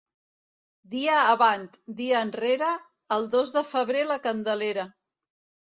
Dia avant, dia enrere, el dos de febrer la Candelera.